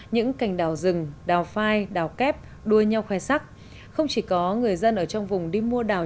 những cành đào rừng đào phai đào kép đua nhau khoe sắc không chỉ có người dân ở trong vùng đi mua đào